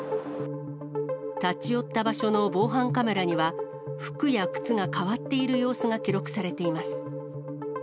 立ち寄った場所の防犯カメラには、服や靴が変わっている様子が記録されています。